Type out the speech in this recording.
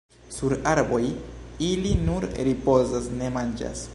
Sur arboj ili nur ripozas, ne manĝas.